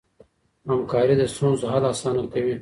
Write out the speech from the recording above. همکاري د ستونزو حل اسانه کوي.